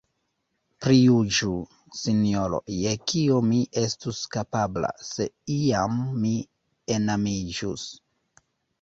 Prijuĝu, sinjoro, je kio mi estus kapabla, se iam mi enamiĝus!